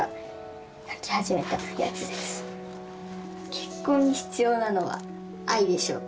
結婚に必要なのは愛でしょうか？